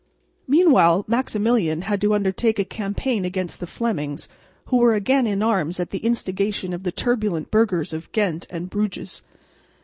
Meanwhile Maximilian had to undertake a campaign against the Flemings, who were again in arms at the instigation of the turbulent burghers of Ghent and Bruges.